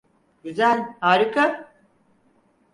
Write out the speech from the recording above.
Güzel, harika.